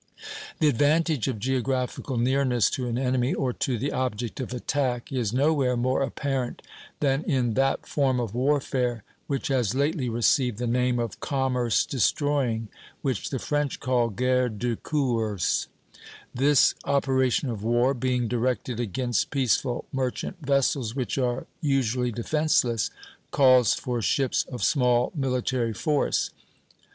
The advantage of geographical nearness to an enemy, or to the object of attack, is nowhere more apparent than in that form of warfare which has lately received the name of commerce destroying, which the French call guerre de course. This operation of war, being directed against peaceful merchant vessels which are usually defenceless, calls for ships of small military force.